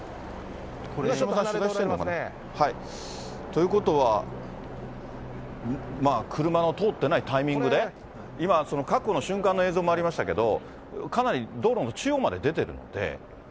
ということは、車の通ってないタイミングで、今、確保の瞬間の映像もありましたけども、かなり道路の中央まで出てるので。